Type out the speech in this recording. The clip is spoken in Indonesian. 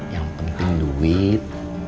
yang penting duit